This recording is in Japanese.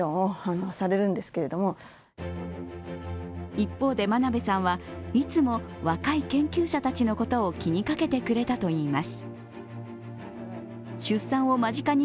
一方で真鍋さんはいつも若い研究者たちのことを気にかけてくれたといいます。